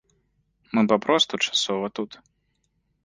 Мы папросту часова тут.